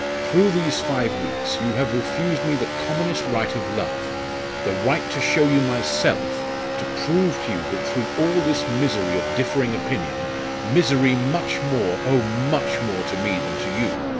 Through these five weeks you have refused me the commonest right of love the right to show you myself, to prove to you that through all this misery of differing opinion misery, much more, oh, much more to me than to you!